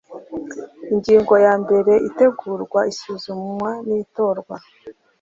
Ingingo ya mbere Itegurwa isuzumwa n itorwa